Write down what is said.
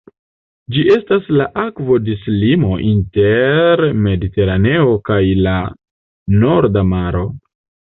Ĝi estas la akvodislimo inter Mediteraneo kaj la Norda Maro.